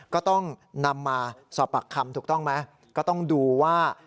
ก็ต้องนำมาสอบปากคำถูกต้องไหมก็ต้องดูว่า